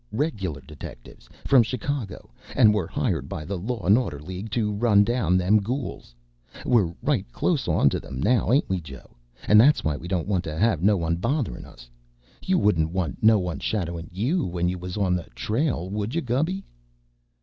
Reg'lar detectives. From Chicago. An' we're hired by the Law an' Order League to run down them gools. We're right clost onto 'em now, ain't we, Joe? An' that's why we don't want to have no one botherin' us. You wouldn't want no one shadowin' you when you was on a trail, would you, Gubby?"